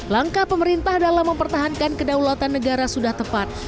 langkah pemerintah dalam mempertahankan kedaulatan negara sudah tepat